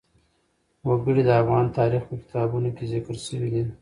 وګړي د افغان تاریخ په کتابونو کې ذکر شوی دي.